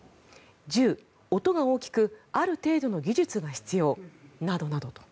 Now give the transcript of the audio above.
銃、音が大きくある程度の技術が必要などなどと。